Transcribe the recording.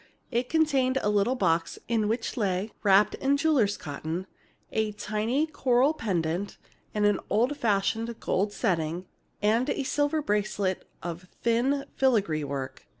It contained a little box in which lay, wrapped in jeweler's cotton, a tiny coral pendant in an old fashioned gold setting, and a silver bracelet of thin filigree work.